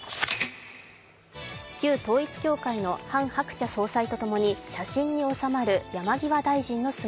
旧統一教会のハン・ハクチャ総裁とともに写真に収まる山際大臣の姿。